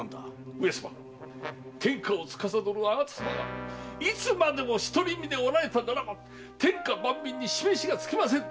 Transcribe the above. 上様天下を司る貴方様がいつまでも独り身でおられたなら天下万民に示しがつきません！